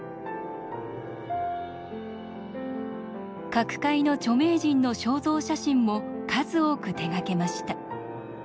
各界の著名人の肖像写真も数多く手がけました。